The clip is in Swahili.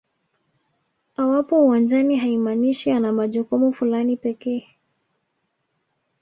Awapo uwanjani haimaanishi ana majukumu fulani pekee